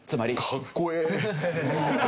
かっこええ！